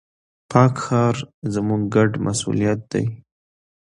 پاک ښار، زموږ ګډ مسؤليت دی.